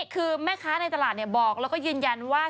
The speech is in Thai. คือแม่ค้าในตลาดบอกแล้วก็ยืนยันว่า